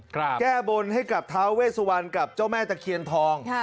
แก้บนให้กับท้าเวสวันกับเจ้าแม่ตะเคียนทอง